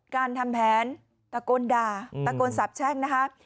การทำแผนตะโกนด่าตะโกนสาบแช่งนะคะ